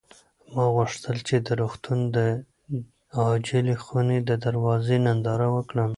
ما غوښتل چې د روغتون د عاجلې خونې د دروازې ننداره وکړم.